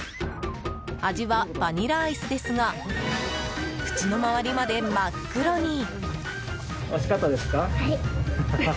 味はバニラアイスですが口の周りまで真っ黒に！